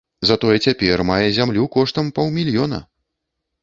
Затое цяпер мае зямлю коштам паўмільёна!